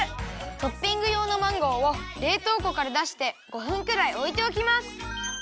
トッピングようのマンゴーをれいとうこからだして５分くらいおいておきます。